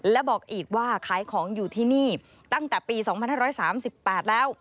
และบอกอีกว่าขายของอยู่ที่นี่ตั้งแต่ปี๒๕๓๘แล้ว